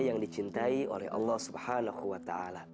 yang dicintai oleh allah swt